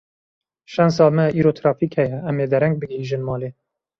Şensa me îro trafîk heye, em ê dereng bigihîjin malê.